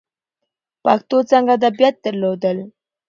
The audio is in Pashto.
پښتو څانګه ادبیات درلودل.